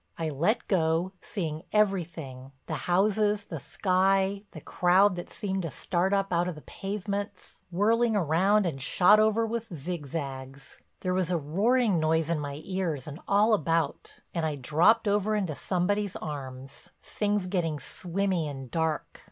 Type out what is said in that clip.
I let go, seeing everything—the houses, the sky, the crowd that seemed to start up out of the pavements—whirling round and shot over with zigzags. There was a roaring noise in my ears and all about, and I dropped over into somebody's arms, things getting swimmy and dark.